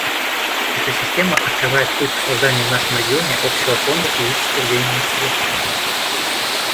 Эта система открывает путь к созданию в нашем регионе общего фонда физических денежных средств.